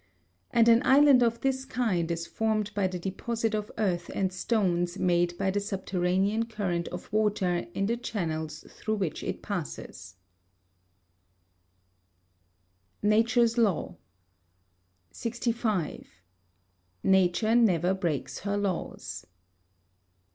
And an island of this kind is formed by the deposit of earth and stones made by the subterranean current of water in the channels through which it passes. [Sidenote: Nature's Law] 65. Nature never breaks her laws.